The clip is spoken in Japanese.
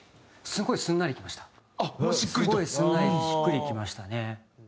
すごいすんなりしっくりきましたね。